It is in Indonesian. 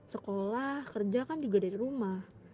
sekolah kerja kan juga dari rumah